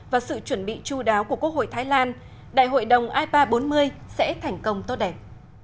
và sự chuẩn bị chú đáo của quốc hội thái lan đại hội đồng ipa bốn mươi sẽ thành công tốt đẹp